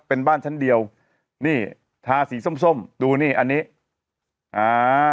เป็นบ้านชั้นเดียวนี่ทาสีส้มส้มดูนี่อันนี้อ่า